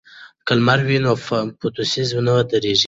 که لمر وي نو فوتوسنتیز نه ودریږي.